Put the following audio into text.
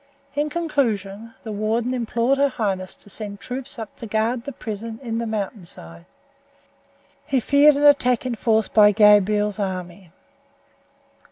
In conclusion, the warden implored her highness to send troops up to guard the prison in the mountain side. He feared an attack in force by Gabriel's army.